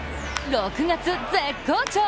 ６月、絶好調！